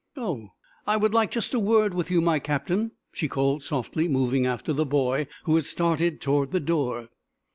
"Oh, I would like just a word with you, my Captain," she called softly, moving after the boy, who had started toward the door.